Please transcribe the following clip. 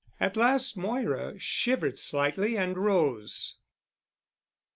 At last Moira shivered slightly and rose.